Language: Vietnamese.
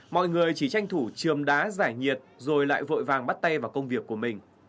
mọi người chỉ tranh thủ trường đá giải nhiệt rồi lại vội vàng bắt tay vào công việc của mình